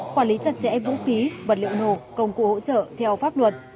quản lý chặt chẽ vũ khí vật liệu nổ công cụ hỗ trợ theo pháp luật